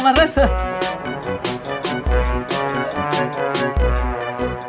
duruat ya kakak kemarin